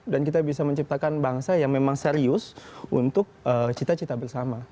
dan kita bisa menciptakan bangsa yang memang serius untuk cita cita bersama